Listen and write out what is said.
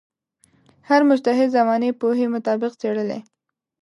هر مجتهد زمانې پوهې مطابق څېړلې.